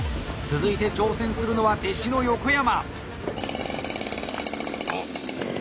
続いて挑戦するのは弟子の横山。